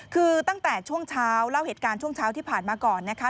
คือตั้งแต่ช่วงเช้าเล่าเหตุการณ์ช่วงเช้าที่ผ่านมาก่อนนะคะ